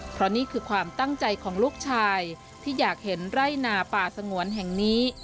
เพราะนี่คือความตั้งใจของลูกชายที่อยากเห็นไร่นาป่าสงวนแห่งนี้